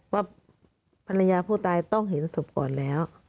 ว่าภรรยาผู้ตายต้องเห็นศพก่อนแล้ว